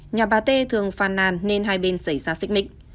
nhà bà t thường phàn nàn nên hai bên xảy ra xích mịch